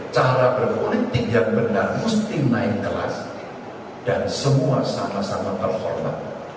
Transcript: cara berpolitik yang benar mesti naik kelas dan semua sama sama performa